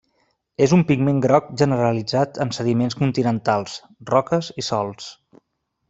És un pigment groc generalitzat en sediments continentals, roques i sòls.